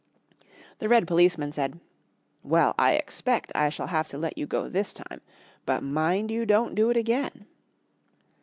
The red policeman said, "Well, I expect I shall have to let you go this time. BUT MIND YOU DON'T DO IT AGAIN."